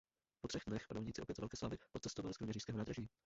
Po třech dnech panovníci opět za velké slávy odcestovali z kroměřížského nádraží.